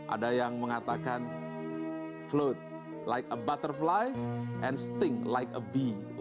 ada yang mengatakan float like a butterfly and sting like a bee